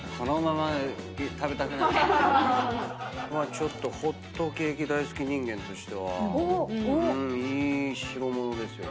まあちょっとホットケーキ大好き人間としてはいい代物ですよ。